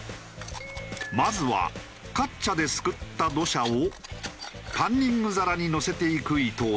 まずはカッチャですくった土砂をパンニング皿にのせていく伊藤さん。